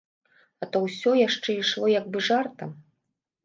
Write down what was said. А то ўсё яшчэ ішло як бы жартам.